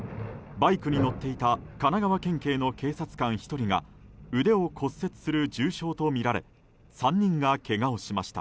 バイクに乗っていた神奈川県警の警察官１人が腕を骨折する重傷とみられ３人がけがをしました。